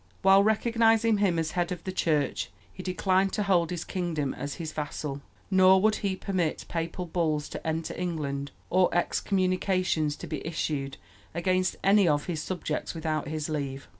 While recognizing him as head of the Church, he declined to hold his kingdom as his vassal, nor would he permit papal bulls to enter England or excommunications to be issued against any of his subjects without his leave.